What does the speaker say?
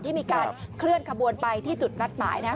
ที่มีการเคลื่อนขบวนไปที่จุดนัดหมายนะครับ